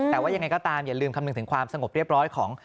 แต่ว่ายังไงก็ตามอย่าลืมคำนึงถึงความสงบเรียบร้อยของ